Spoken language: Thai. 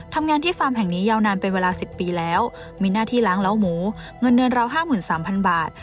ทำงานที่ฟาร์มแห่งนี้ยาวนานเป็นเวลา๑๐ปีแล้วมีหน้าที่ล้างเล้าหมูเงินเดือนเรา๕๓๐๐บาท